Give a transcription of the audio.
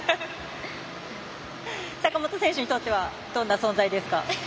坂本選手にとってはどんな存在ですか？